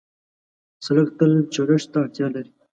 سړک تل چلښت ته اړتیا لري.